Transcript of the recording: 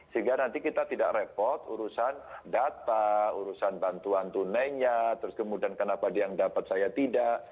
sehingga nanti kita tidak repot urusan data urusan bantuan tunainya terus kemudian kenapa dia yang dapat saya tidak